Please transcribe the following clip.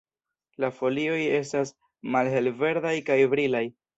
La folioj estas malhelverdaj kaj brilaj.